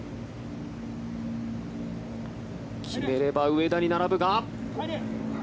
決めれば上田に並ぶが。